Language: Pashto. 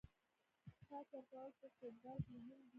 پاس ورکول په فوټبال کې مهم دي.